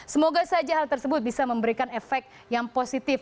semoga saja hal tersebut bisa memberikan efek yang positif